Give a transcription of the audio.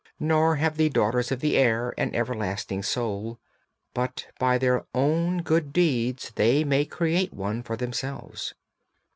Nor have the daughters of the air an everlasting soul, but by their own good deeds they may create one for themselves.